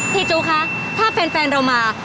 พี่จู๊คะถ้าแฟนเรามา